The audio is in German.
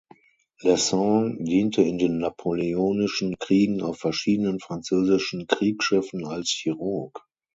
Lesson diente in den napoleonischen Kriegen auf verschiedenen französischen Kriegsschiffen als Chirurg.